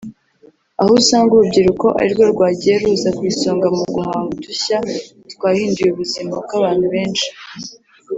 aho usanga urubyiruko ari rwo rwagiye ruza ku isonga mu guhanga udushya twahinduye ubuzima bw’abantu benshi